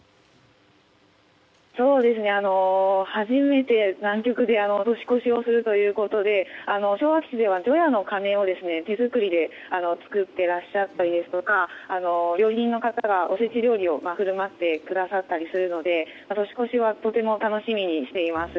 初めて南極で年越しをするということで昭和基地では除夜の鐘を手作りで作っていらっしゃったりですとか料理人の方がおせち料理を振る舞ってくださったりするので年越しはとても楽しみにしています。